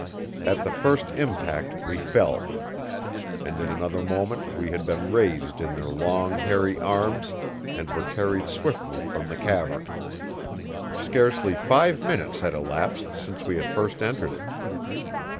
At the first impact we fell. And in another moment we had been raised in their long, hairy arms and were carried swiftly from the cavern. Scarcely five minutes had elapsed since we had first entered it.